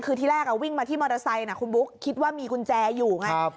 คือที่แรกวิ่งมาที่มอเตอร์ไซค์นะคุณบุ๊คคิดว่ามีกุญแจอยู่ไง